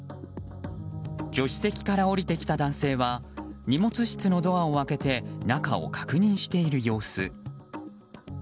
助手席から降りてきた男性は荷物室のドアを開けて中を確認している様子。